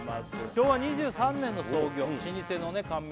昭和２３年の創業老舗のね甘味